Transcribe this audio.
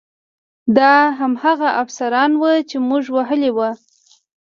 دا هماغه افسران وو چې موږ وهلي وو